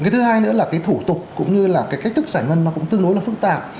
thứ hai nữa là thủ tục cũng như là cách thức giải ngân cũng tương đối phức tạp